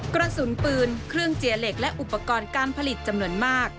กระสุนปืนเครื่องเจียเหล็กและอุปกรณ์การผลิตจำนวนมาก